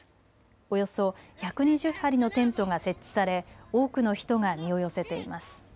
およそ１２０張りのテントが設置され多くの人が身を寄せています。